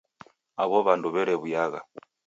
Aw'o w'andu w'erewuyagha